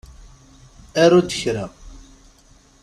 Aru-d kra!